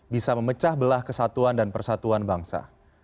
bisa memecah belah kesatuan dan persatuan bangsa